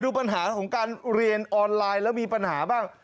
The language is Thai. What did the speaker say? ปัญหาของการเรียนออนไลน์แล้วมีปัญหาบ้าง